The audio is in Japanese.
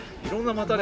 またね。